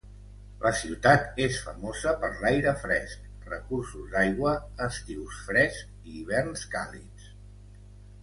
La ciutat és famosa per l'aire fresc, recursos d'aigua, estius frescs i hiverns càlids.